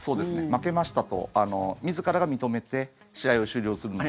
負けましたと自らが認めて試合を終了するのが。